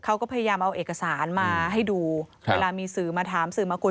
เขาก็พยายามเอาเอกสารมาให้ดูเวลามีสื่อมาถามสื่อมากวน